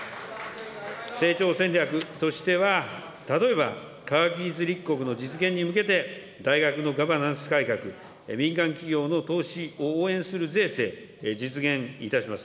成長戦略としては例えば、科学技術立国の実現に向けて、大学のガバナンス改革、民間企業の投資を応援する税制、実現いたします。